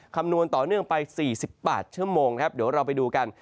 คำนวณต่อเนื่องไป๔๘ชั่วโมงครับเดี๋ยวเราไปดูกัน